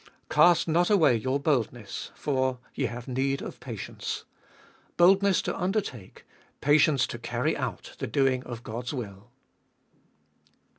Cast not away your boldness, for— Ye have need of patience. Boldness to undertake, patience to carry out the doing of God's will.